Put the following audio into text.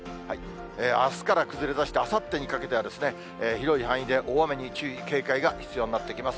あすから崩れだして、あさってにかけては、広い範囲で大雨に注意、警戒が必要になってきます。